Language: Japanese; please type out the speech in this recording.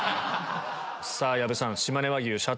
さぁ矢部さん